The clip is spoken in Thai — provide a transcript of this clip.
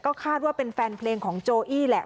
คาดว่าเป็นแฟนเพลงของโจอี้แหละ